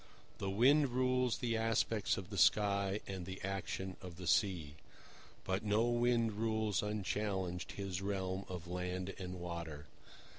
The wind rules the aspects of the sky and the action of the sea. But no wind rules unchallenged his realm of land and water.